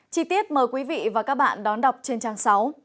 chi tiết mời quý vị và các bạn đón đọc trên trang sáu